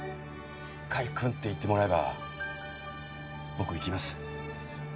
「甲斐くん」って言ってもらえば僕行きます。